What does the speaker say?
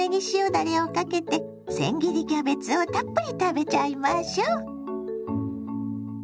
だれをかけてせん切りキャベツをたっぷり食べちゃいましょ！